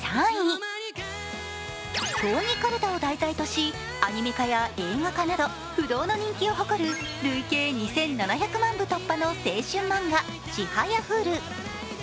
競技かるたを題材としアニメ化や映画化など不動の人気を誇る累計２７００万部突破の青春漫画「ちはやふる」。